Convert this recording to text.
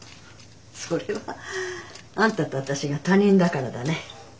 それはあんたと私が他人だからだね。